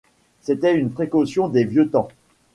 C’était une précaution des vieux temps.